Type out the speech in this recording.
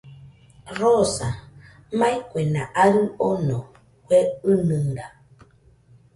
Rosa, mai kuena arɨ ono, kue ɨnɨra